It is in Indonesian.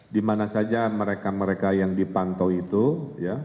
dimana saja mereka mereka yang dipantaui terdapat penyelesaian dan akan diperoleh juga